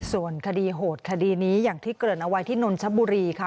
ส่วนคดีโหดคดีนี้อย่างที่เกริ่นเอาไว้ที่นนทบุรีค่ะ